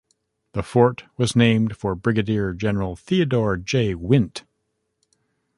The fort was named for Brigadier General Theodore J. Wint.